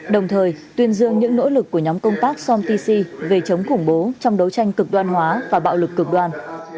đồng thời tuyên dương những nỗ lực của nhóm công tác somty về chống khủng bố trong đấu tranh cực đoan hóa và bạo lực cực đoan